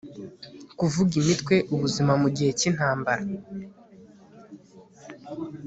kuvuga imitwe, ubuzima mugihe cyintambara